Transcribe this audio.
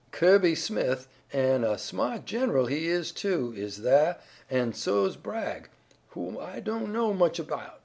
Ki'by Smith, an' a sma't gen'ral he is, too, is thah, an' so's Bragg, who I don't know much 'bout.